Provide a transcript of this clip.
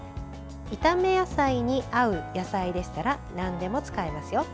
炒め野菜に合う野菜でしたらなんでも使えますよ。